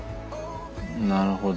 なるほど。